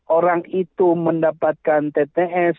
orang itu mendapatkan tts